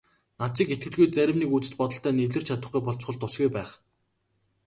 Над шиг итгэлгүй зарим нэг үзэл бодолтой нь эвлэрч чадахгүй болчихвол тусгүй байх.